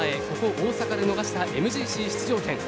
ここ、大阪で逃したＭＧＣ出場権。